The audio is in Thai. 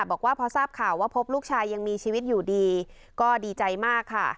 บอกว่าพอทราบข่าวว่าพบลูกชายยังมีชีวิตอยู่ดีก็ดีใจมากค่ะ